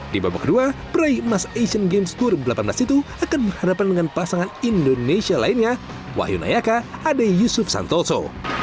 di babak kedua peraih emas asian games dua ribu delapan belas itu akan berhadapan dengan pasangan indonesia lainnya wahyu nayaka ade yusuf santoso